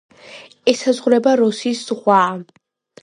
ესაზღვრება როსის ზღვა.